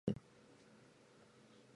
Fortunately, he can eat almost anything.